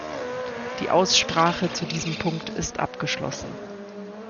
Die Aussprache zu diesem Punkt ist abgeschlossen.